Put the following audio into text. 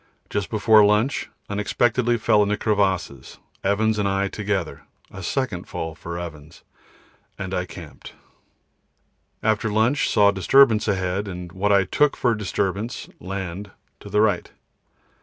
Just before lunch unexpectedly fell into crevasses, Evans and I together a second fall for Evans, and I camped. After lunch saw disturbance ahead, and what I took for disturbance (land) to the right.